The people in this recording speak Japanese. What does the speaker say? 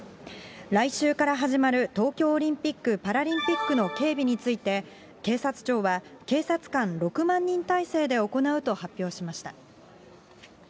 来週から始まる東京オリンピック・パラリンピックの警備について、警察庁は、警察官６万人態勢で行うと発表しました。